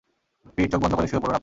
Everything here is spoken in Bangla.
পিট, চোখ বন্ধ করে শুয়ে পড়ুন আপনি।